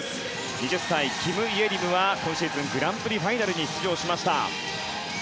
２０歳のキム・イェリムは今シーズングランプリファイナルに出場。